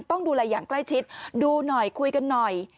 ต้องดูแลอย่างใกล้ชิดดูหน่อยคุยกันหน่อย